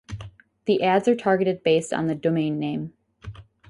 The ads are targeted based on the domain name.